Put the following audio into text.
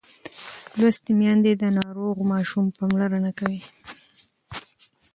لوستې میندې د ناروغ ماشوم پاملرنه کوي.